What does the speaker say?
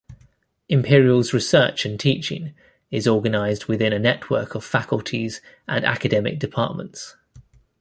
Imperial's research and teaching is organised within a network of faculties and academic departments.